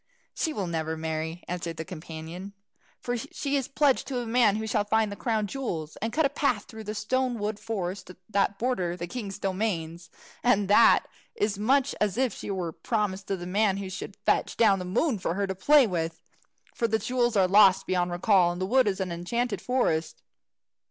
"She will never marry," answered his companion, "for she is pledged to the man who shall find the crown jewels, and cut a path through the stone wood forest that borders the king's domains. And that is much as if she were promised to the man who should fetch down the moon for her to play with. For the jewels are lost beyond recall, and the wood is an enchanted forest."